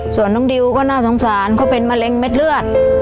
ส่วนน้องดิวก็น่าสงสารเขาเป็นมะเร็งเม็ดเลือด